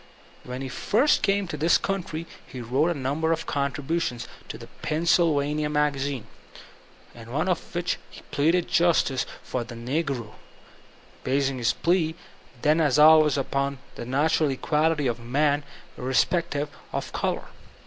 When he first came to this country he wrote a number of contributions to the Pennsylvania Magasine, in one of which he pleaded justice for the n^ro, basing his plea then as always upon the natural equality of man irre spective of color.